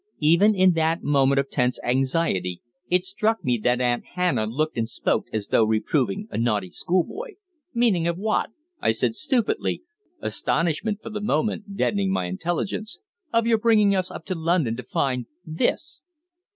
Even in that moment of tense anxiety it struck me that Aunt Hannah looked and spoke as though reproving a naughty schoolboy. "Meaning of what?" I said stupidly, astonishment for the moment deadening my intelligence. "Of your bringing us up to London to find this."